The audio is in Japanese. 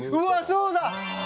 そうだ！